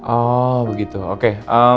oh begitu oke